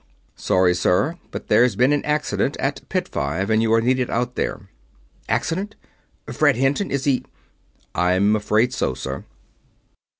"Sorry, sir, but there has been an accident at Pit Five and you are needed out there." "Accident! Fred Hinton! Is he...?" "I'm afraid so, sir."